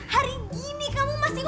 hari gini kamu masih ngomongin cinta